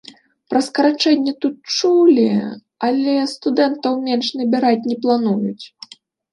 Пра скарачэнне тут чулі, але студэнтаў менш набіраць не плануюць.